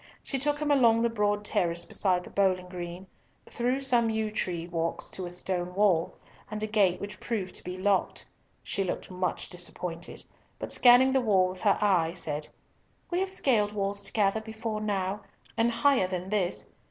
She took him along the broad terrace beside the bowling green, through some yew tree walks to a stone wall, and a gate which proved to be locked. She looked much disappointed, but scanning the wall with her eye, said, "We have scaled walls together before now, and higher than this.